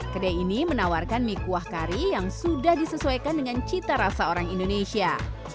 kedai ini menawarkan mie kuah kari yang sudah disesuaikan dengan cita rasa orang indonesia